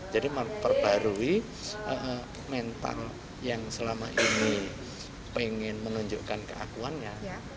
jadi memperbarui mental yang selama ini pengen menunjukkan keakuannya